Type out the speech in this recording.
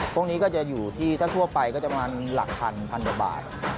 พวกนี้ก็จะอยู่ที่ถ้าทั่วไปก็จะประมาณหลักพันพันกว่าบาท